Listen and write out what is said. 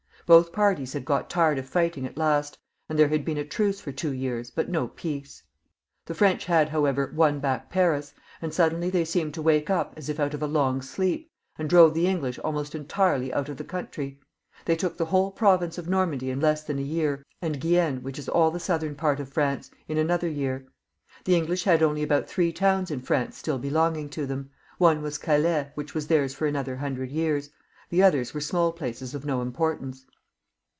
Both parties had got tired of fighting at last, and there had been a truce for two years, but no peace. The French had, however, won back Paris, and suddenly they seemed to wake up as if out of a long sleep, and drove the English almost entirely out of the country. They took the whole province of Normandy in less than a year, and Guienne, which is all the southern part of France, in another year. The English had only about three towns in France stiU belonging to them ; one was Calais, which was theirs for another hundred years ; the others were small places of no iijjportance.